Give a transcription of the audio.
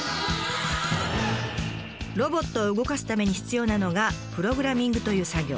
ロボットを動かすために必要なのがプログラミングという作業。